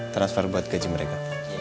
transfer buat gaji mereka